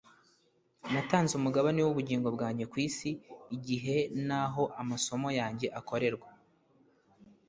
natanze umugabane w'ubugingo bwanjye ku isi, igihe n'aho amasomo yanjye akorerwa.